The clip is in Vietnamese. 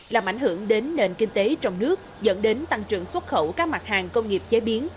làm ảnh hưởng đến nền kinh tế trong nước dẫn đến tăng trưởng xuất khẩu các mặt hàng công nghiệp chế biến